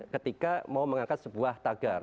ketika mau mengangkat sebuah tagar